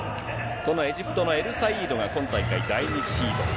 このエジプトのエルサイードが今大会、第２シード。